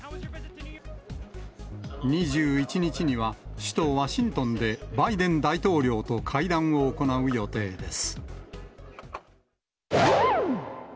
２１日には、首都ワシントンでバイデン大統領と会談を行う予定です。